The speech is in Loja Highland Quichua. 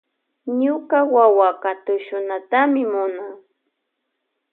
Ñuka wawaka tushunatami munan.